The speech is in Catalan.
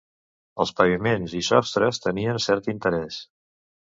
Els paviments i sostres tenien cert interès.